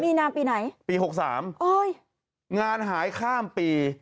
มีนาปีไหนปี๖๓งานหายข้ามปี